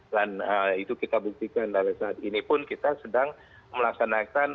dan itu kita buktikan dari saat ini pun kita sedang melaksanakan